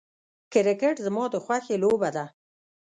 کرکټ زما د خوښې لوبه ده .